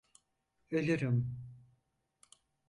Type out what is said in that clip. Ölürüm.